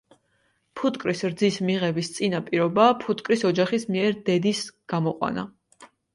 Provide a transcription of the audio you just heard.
ფუტკრის რძის მიღების წინა პირობაა ფუტკრის ოჯახის მიერ დედის გამოყვანა.